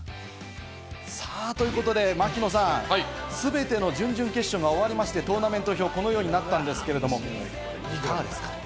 槙野さん、全ての準々決勝が終わりまして、トーナメント表、このようになったんですけれど、いかがですか？